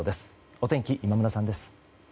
お天気、今村さんです。